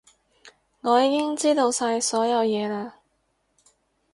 我已經知道晒所有嘢嘞